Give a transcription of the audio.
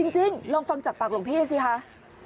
จริงลองฟังจากปากลงพี่ด้วยสิค่ะ